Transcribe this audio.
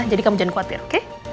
jadi kamu jangan khawatir oke